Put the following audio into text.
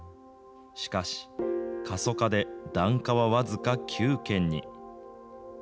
しかし、過疎化で檀家はわずか９軒に。